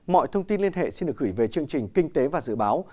mọi thông tin liên hệ xin được gửi về chương trình kinh tế và dự báo